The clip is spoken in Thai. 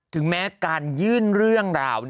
ถึงแม้การยื่นเรื่องราว